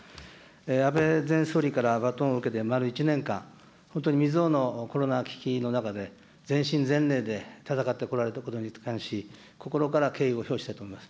安倍前総理からバトンを受けてまる１年間、本当に未曽有のコロナ危機の中で、全身全霊で闘ってこられたことに関し、心から敬意を表したいと思います。